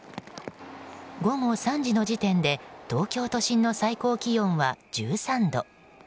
午後３時の時点で東京都心の最高気温は１３度。